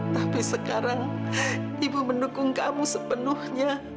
tapi sekarang ibu mendukung kamu sepenuhnya